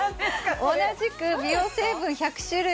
同じく美容成分１００種類